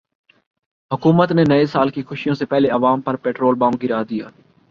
حکومت نے نئے سال کی خوشیوں سے پہلے عوام پر پیٹرول بم گرا دیا